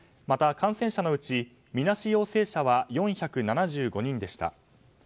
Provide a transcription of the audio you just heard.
また、感染者のうちみなし陽性者は４７５人でした。